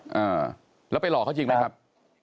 อ่าแล้วไปหลอกเขาจริงไหมครับ